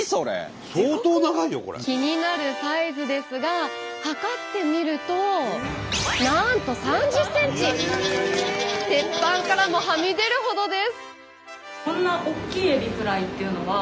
気になるサイズですが測ってみるとなんと鉄板からもはみ出るほどです。